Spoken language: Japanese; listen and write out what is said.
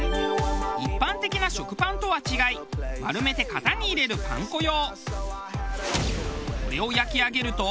一般的な食パンとは違い丸めて型に入れるパン粉用。